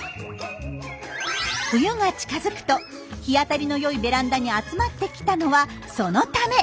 冬が近づくと日当たりのよいベランダに集まってきたのはそのため。